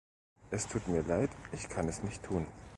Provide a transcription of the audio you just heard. Es tut mir leid, ich kann es nicht tun.